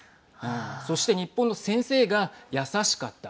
そして日本の先生が優しかった。